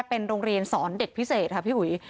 เป็นโรงเรียนสอนเด็กพิเศษค่ะพี่อุ๋ย